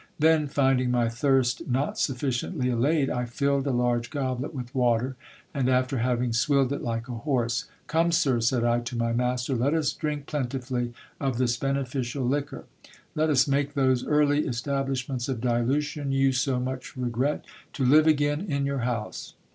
Then, finding my thirst not sufficiently allayed, I filled a large goblet with water, and after having swilled it like a horse : Come, sir, said I to my master, let us drink plentifully of this beneficial liquor. Let us make those early establishments of dilution you so much regret, to live again in your house.